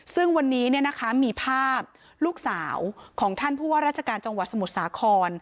ซึ่งวันนี้มีภาพลูกสาวของท่านผู้ว่าราชการจังหวัดสมุทรสาคร